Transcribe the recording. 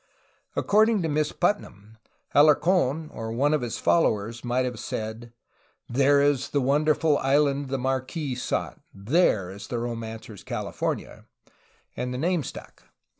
According to Miss Putnam, Alarc6n or one of his followers might have said : "There is the wonderful island the Marquis sought — there is the romancer's California" — and the name stuck.